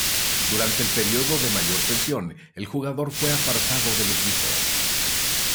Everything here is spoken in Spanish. Durante el periodo de mayor tensión, el jugador fue apartado del equipo.